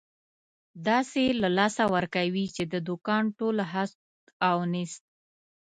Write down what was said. داسې له لاسه ورکوې، چې د دوکان ټول هست او نیست.